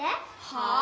はあ？